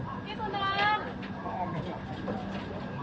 พี่สุนัยคิดถึงลูกไหมครับ